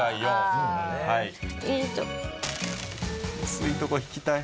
薄いところ引きたい。